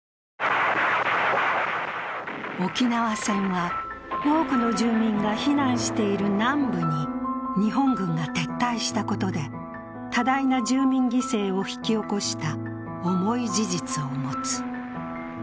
沖縄戦は多くの住民が避難している南部に日本軍が撤退したことで多大な住民犠牲を引き起こした重い事実を持つ。